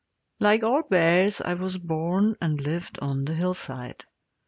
Like all bears, I was born and lived on the hillside.